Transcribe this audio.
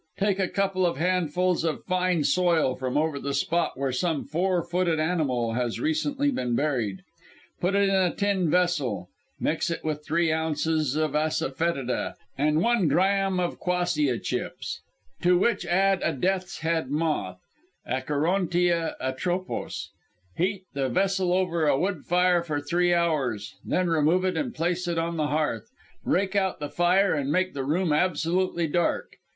Take a couple of handfuls of fine soil from over the spot where some four footed animal has recently been buried. Put it in a tin vessel, mix with it three ounces of assafoetida and one drachm of quassia chips, to which add a death's head moth (Acherontia atropos). Heat the vessel over a wood fire for three hours. Then remove it and place it on the hearth, rake out the fire and make the room absolutely dark.